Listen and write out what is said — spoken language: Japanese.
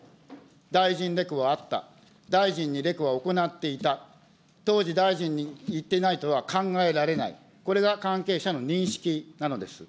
大臣レクはあった、大臣にレクは行っていた、当時、大臣に言っていないとは考えられない、これが関係者の認識なのです。